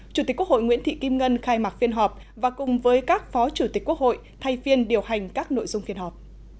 chủ tịch quốc hội nguyễn thị kim ngân khai mạc phiên họp và cùng với các phó chủ tịch quốc hội thay phiên điều hành các nội dung phiên họp